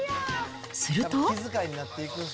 すると。